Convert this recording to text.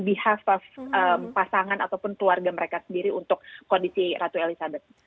di hadapan pasangan atau keluarga mereka sendiri untuk kondisi ratu elizabeth